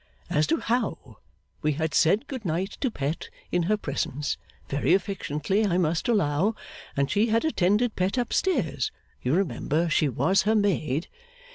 As to How, we had said Good night to Pet in her presence (very affectionately, I must allow), and she had attended Pet up stairs you remember she was her maid.